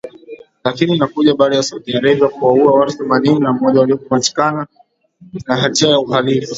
Lakini inakuja baada ya Saudi Arabia kuwaua watu themanini na moja waliopatikana na hatia ya uhalifu